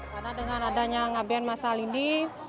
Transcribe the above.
karena dengan adanya ngaben masal ini